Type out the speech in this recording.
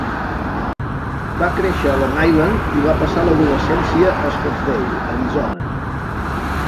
Va créixer a Long Island i va passar l'adolescència a Scottsdale, Arizona.